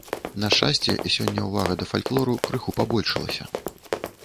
На шчасце, сёння ўвага да фальклору крыху пабольшылася.